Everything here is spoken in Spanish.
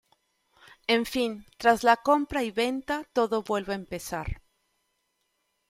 En fin, tras la compra y venta, todo vuelve a empezar.